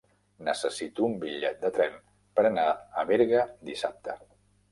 Necessito un bitllet de tren per anar a Berga dissabte.